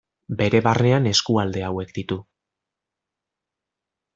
Bere barnean eskualde hauek ditu.